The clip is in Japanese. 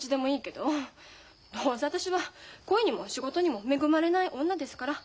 どうせ私は恋にも仕事にも恵まれない女ですから。